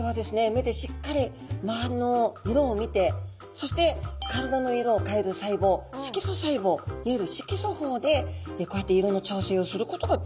目でしっかり周りの色を見てそして体の色を変える細胞色素細胞いわゆる色素胞でこうやって色の調整をすることができるんですね。